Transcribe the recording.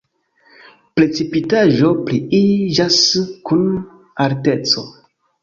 Precipitaĵoj pliiĝas kun alteco.